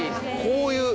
こういう。